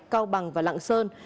cao bằng và lạng sơn